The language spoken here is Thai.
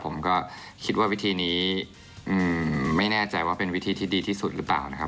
ผมก็คิดว่าวิธีนี้ไม่แน่ใจว่าเป็นวิธีที่ดีที่สุดหรือเปล่านะครับ